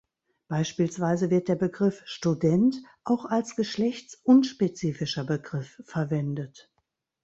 Beispielsweise wird der Begriff "Student" auch als geschlechts-unspezifischer Begriff verwendet.